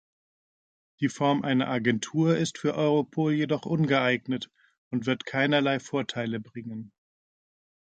Die Form einer Agentur ist für Europol jedoch ungeeignet und wird keinerlei Vorteile bringen.